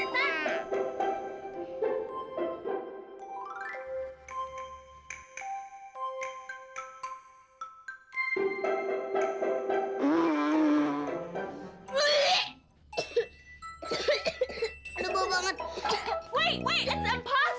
tunggu tunggu itu tidak mungkin